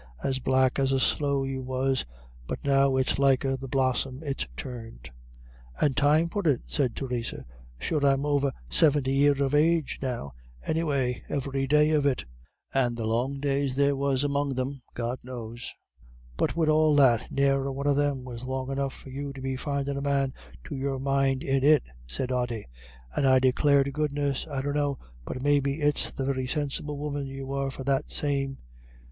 As black as a sloe you was; but now it's liker the blossom it's turned." "And time for it," said Theresa. "Sure I'm over sivinty year of age now, any way, every day of it and the long days there was among them, God knows." "But wid all that, ne'er a one of them was long enough for you to be findin' a man to your mind in it," said Ody. "And I declare to goodness I dunno but maybe it's the very sinsible woman you were for that same.